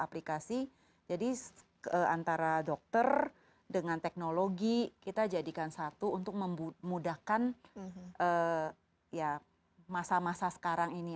aplikasi jadi antara dokter dengan teknologi kita jadikan satu untuk memudahkan ya masa masa sekarang ini